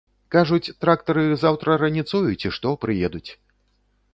Кажуць, трактары заўтра раніцою, ці што, прыедуць.